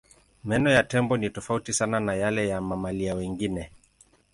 Meno ya tembo ni tofauti sana na yale ya mamalia wengine.